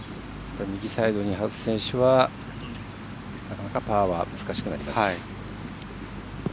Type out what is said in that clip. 右サイドに外す選手はなかなかパーは難しくなります。